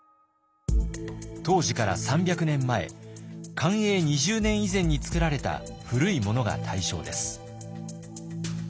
当時から３００年前寛永２０年以前に作られた古いものが対象です。